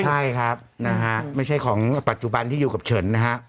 ใช่ครับนะฮะไม่ใช่ของปัจจุบันที่อยู่กับเฉินนะฮะ